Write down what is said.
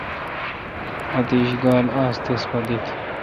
اتییش گال آس تس پہ دت۔